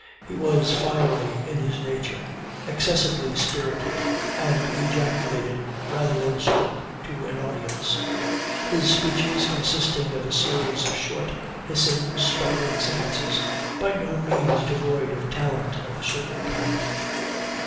He was fiery in his nature, excessively spirited, and ejaculated, rather than spoke to an audience; his speeches consisting of a series of short, hissing, spluttering sentences, by no means devoid of talent of a certain kind.